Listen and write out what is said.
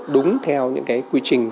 đúng theo những cái quy trình